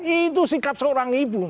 itu sikap seorang ibu